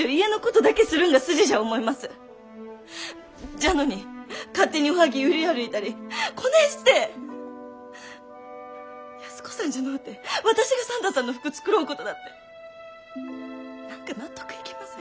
じゃのに勝手におはぎゅう売り歩いたりこねんして安子さんじゃのうて私が算太さんの服繕うことだって何か納得いきません。